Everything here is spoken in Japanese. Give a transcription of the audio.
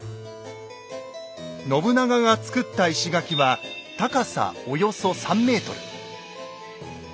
信長が造った石垣は高さおよそ３ｍ。